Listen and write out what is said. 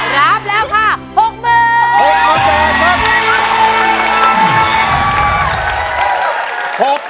รับแล้วค่ะ๖มือ